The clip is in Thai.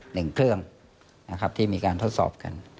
หนึ่งเครื่องที่มีการทดสอบกัน